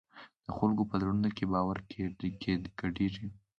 د خلکو په زړونو کې باور ګډېږي.